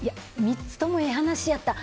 ３つとも、ええ話やった。